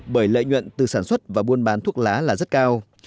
bởi lợi nhuận từ sản xuất và buôn bán thuốc lá là rất cao